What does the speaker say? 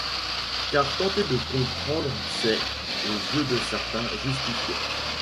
Car tenter de comprendre, c'est, aux yeux de certains, justifier.